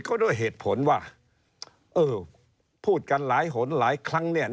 ก็ด้วยเหตุผลว่าเออพูดกันหลายหนหลายครั้งเนี่ย